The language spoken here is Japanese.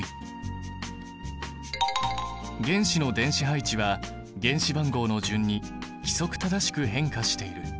原子の電子配置は原子番号の順に規則正しく変化している。